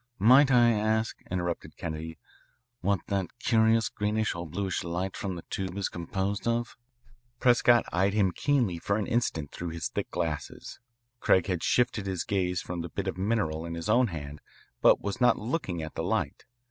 "Might I ask," interrupted Kennedy, "what that curious greenish or bluish light from the tube is composed of?" Prescott eyed him keenly for an instant through his thick glasses. Craig had shifted his gaze from the bit of mineral in his own hand, but was not looking at the light.